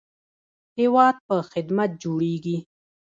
هیواد په خدمت جوړیږي